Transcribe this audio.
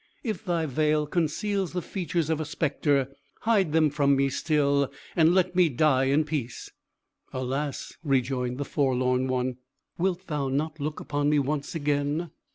If thy veil conceals the features of a spectre, hide them from me still, and let me die in peace." "Alas!" rejoined the forlorn one, "wilt thou not look upon me once again?